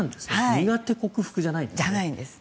苦手克服じゃないと。じゃないんです。